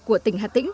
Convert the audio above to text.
của tỉnh hà tĩnh